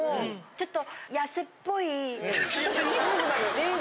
ちょっと。